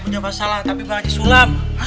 masalah besar tapi bang haji sulam